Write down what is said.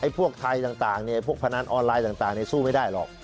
ไอ้พวกไทยต่างเนี่ยพวกพนันออนไลน์ต่างเนี่ยสู้ไม่ได้หรอก